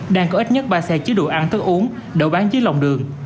đang có ít nhất ba xe chứa đồ ăn thức uống đậu bán dưới lồng đường